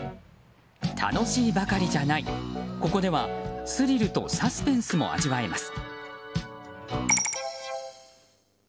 楽しいばかりじゃないここではスリルとサスペンスも味わえます。